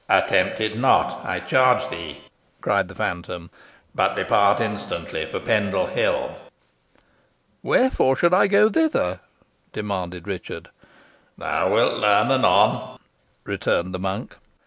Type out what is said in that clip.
"Attempt it not, I charge thee!" cried the phantom; "but depart instantly for Pendle Hill." "Wherefore should I go thither?" demanded Richard. "Thou wilt learn anon," returned the monk.